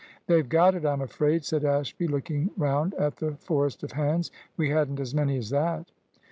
"They've got it, I'm afraid," said Ashby, looking round at the forest of hands; "we hadn't as many as that."